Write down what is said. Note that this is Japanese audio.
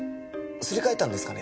すり替えたんですかね？